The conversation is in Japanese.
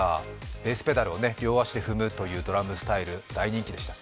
ベースペダルを両足で踏むというドラムスタイル、大人気でした。